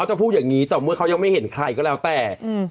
จะพูดอย่างนี้ต่อเมื่อเขายังไม่เห็นใครก็แล้วแต่